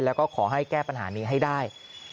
แล้วก็ขอให้แก้ปัญหานี้ให้ได้